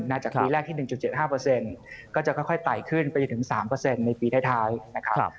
จากปีแรกที่๑๗๕ก็จะค่อยไต่ขึ้นไปจนถึง๓ในปีท้ายนะครับ